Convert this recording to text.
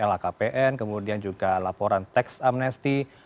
lhkpn kemudian juga laporan teks amnesti